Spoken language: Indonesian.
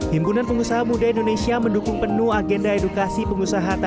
himpunan pengusaha muda indonesia mendukung penuh agenda edukasi pengusaha